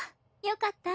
よかった。